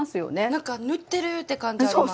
なんか縫ってるって感じあります。